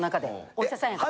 お医者さんやから。